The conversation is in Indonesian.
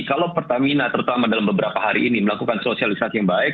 kalau pertamina terutama dalam beberapa hari ini melakukan sosialisasi yang baik